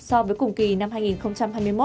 đó là một lượng tìm kiếm quốc tế về việt nam